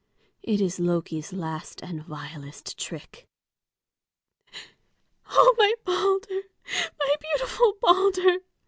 "It is Loki's last and vilest trick." "Oh, my Balder, my beautiful Balder!"